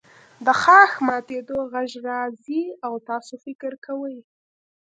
د ښاخ ماتیدو غږ راځي او تاسو فکر کوئ